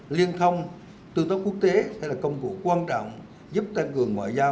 liên thông tương tác quốc tế sẽ là công cụ quan trọng giúp tăng cường ngoại giao